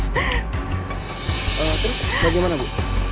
terus bagaimana bu